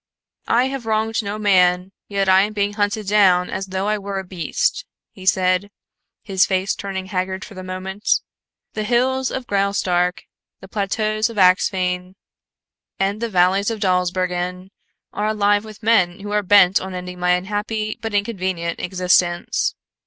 "I have wronged no man, yet I am being hunted down as though I were a beast," he said, his face turning haggard for the moment. "The hills of Graustark, the plateaus of Axphain and the valleys of Dawsbergen are alive with men who are bent on ending my unhappy but inconvenient existence.